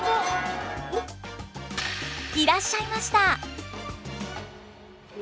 いらっしゃいました。